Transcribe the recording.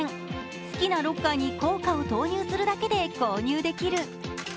好きなロッカーに硬貨を投入するだけで購入できる。